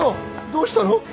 どうしたの？